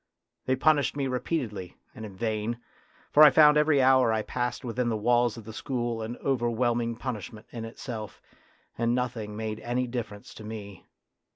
They punished me re peatedly and in vain, for I found every hour I passed within the walls of the school an over whelming punishment in itself, and nothing made any difference to me.